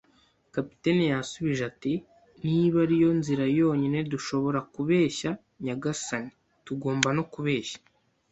Kapiteni yasubije ati: "Niba ari yo nzira yonyine dushobora kubeshya, nyagasani, tugomba no kubeshya".